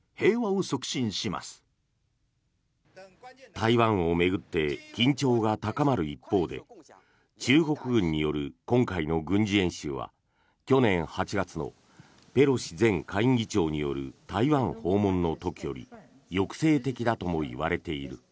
台湾を巡って緊張が高まる一方で中国軍による今回の軍事演習は去年８月のペロシ前下院議長による台湾訪問の時より抑制的だともいわれている。